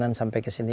sangat baik ya